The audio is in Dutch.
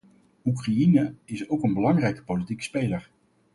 Oekraïne is ook een belangrijke politieke speler.